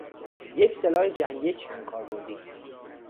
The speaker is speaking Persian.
یک سلاح جنگی چندکاربردی